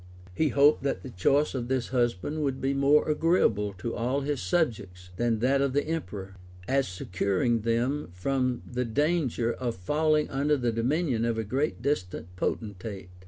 He hoped that the choice of this husband would be more agreeable to all his subjects than that of the emperor; as securing them from the danger of falling under the dominion of a great and distant potentate, {1128.